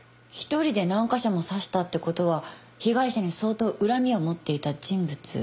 １人で何カ所も刺したって事は被害者に相当恨みを持っていた人物。